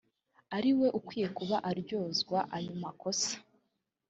ari we ukwiye kuba aryozwa ayo makosa